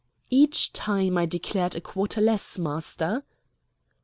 "Each time I declared a quarter less, Master!"